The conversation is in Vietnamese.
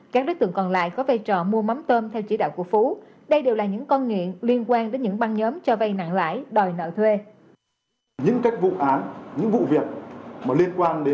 các đối tượng còn lại có vai trò mua mắm tôm theo chỉ đạo của phú đây đều là những con nghiện liên quan đến những băng nhóm cho vay nặng lãi đòi nợ thuê